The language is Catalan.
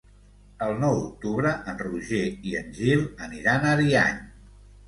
El nou d'octubre en Roger i en Gil aniran a Ariany.